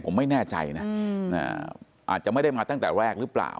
ผมไม่แน่ใจนะอาจจะไม่ได้มาตั้งแต่แรกหรือเปล่า